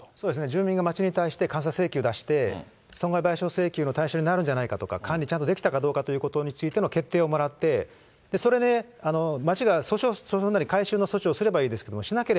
住民が町に対して監査請求出して、損害賠償請求の対象になるんじゃないかとか、管理ちゃんとできたかどうかということについての、決定をもらって、それで町が訴訟なり回収の措置をすればいいですけれども、しなけ